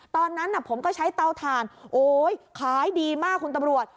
ตอนนั้นผมก็ใช้เตาถ่านโอ๊ยขายดีมากคุณตำรวจ